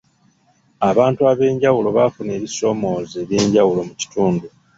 Abantu ab'enjawulo bafuna ebibasoomooza eby'enjawulo mu kitundu.